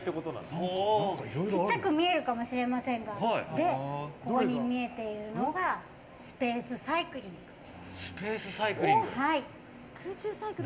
小さく見えるかもしれませんがで、ここに見えているのがスペースサイクリングです。